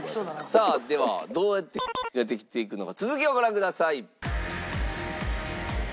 さあではどうやってができていくのか続きをご覧ください。